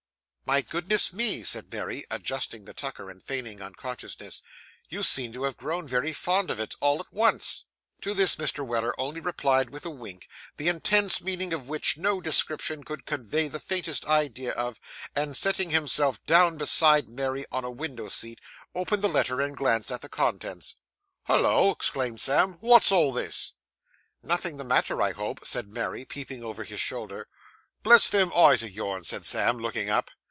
'My goodness me!' said Mary, adjusting the tucker, and feigning unconsciousness, 'you seem to have grown very fond of it all at once.' To this Mr. Weller only replied by a wink, the intense meaning of which no description could convey the faintest idea of; and, sitting himself down beside Mary on a window seat, opened the letter and glanced at the contents. 'Hollo!' exclaimed Sam, 'wot's all this?' 'Nothing the matter, I hope?' said Mary, peeping over his shoulder. 'Bless them eyes o' yourn!' said Sam, looking up.